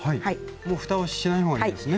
もうふたをしない方がいいですね？